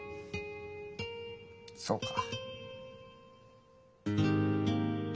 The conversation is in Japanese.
そうか。